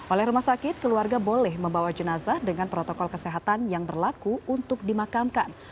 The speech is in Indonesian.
oleh rumah sakit keluarga boleh membawa jenazah dengan protokol kesehatan yang berlaku untuk dimakamkan